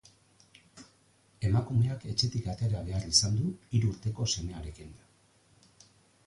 Emakumeak etxetik atera behar izan du, hiru urteko semearekin.